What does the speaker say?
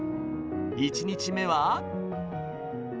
１日目は。